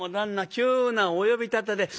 急なお呼び立てで。